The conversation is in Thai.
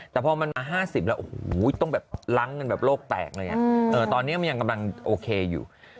แต่พอมันมา๕๐แล้วโอ้โหต้องแบบล้างกันแบบโลกแตกเลยตอนนี้มันยังกำลังโอเคอยู่